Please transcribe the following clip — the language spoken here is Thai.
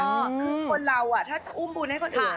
คือคนเราอะถ้าจะอุ้มบุญให้คนหา